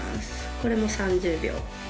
これも３０秒。